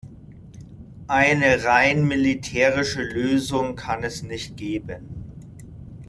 Eine rein militärische Lösung kann es nicht geben.